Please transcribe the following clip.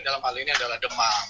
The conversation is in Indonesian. dalam hal ini adalah demam